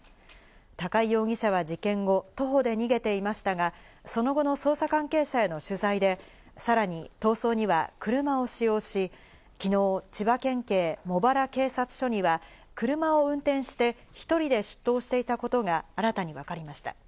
高井容疑者は事件後、徒歩で逃げていましたが、その後の捜査関係者への取材で、さらに逃走には車を使用し、昨日、千葉県警茂原警察署には車を運転して１人で出頭していたことが新たに分かりました。